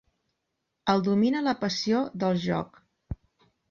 El domina la passió del joc.